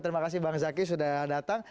terima kasih bang zaky sudah datang